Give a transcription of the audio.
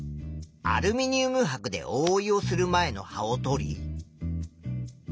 アルミニウムはくでおおいをする前の葉をとり。